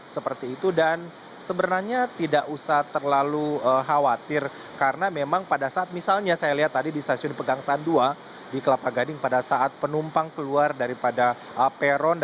seperti itu dan sebenarnya tidak usah terlalu khawatir karena memang pada saat misalnya saya lihat tadi di stasiun pegang sandua di kelapa gading pada saat penumpang keluar daripada peron